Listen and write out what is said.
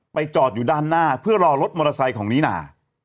จอดอยู่ด้านหน้าเพื่อรอรถมอเตอร์ไซค์ของนิน่า